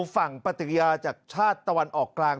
ฝั่งปฏิกิริยาจากชาติตะวันออกกลาง